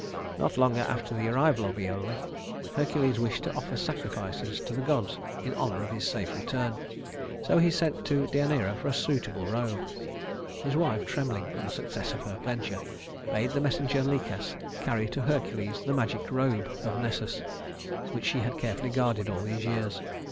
Not long after the arrival of Iole, Hercules wished to offer sacrifices to the gods in honor of his safe return; so he sent to Deïaneira for a suitable robe. His wife, trembling for the success of her venture, bade the messenger Lichas carry to Hercules the magic robe of Nessus, which she had carefully guarded all these years.